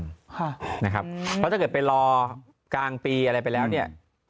เพราะถ้าเกิดไปรอกลางปีอะไรไปแล้วเนี่ย